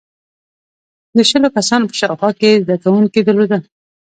• د شلو کسانو په شاوخوا کې یې زدهکوونکي درلودل.